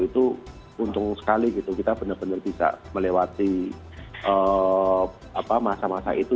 itu untung sekali gitu kita benar benar bisa melewati masa masa itu